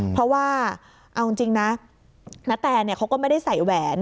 เพราะว่าเอาจริงนะณแตเขาก็ไม่ได้ใส่แหวน